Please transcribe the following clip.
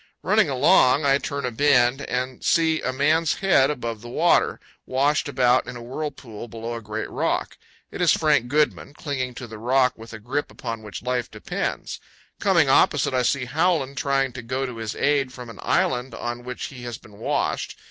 Running along, I turn a bend and see a man's head above the water, washed about in a whirlpool below a great rock. It is Frank Goodman, clinging to the rock with a grip upon which life depends. Coming opposite, I see Howland trying to go to his aid from an island on which he has been washed.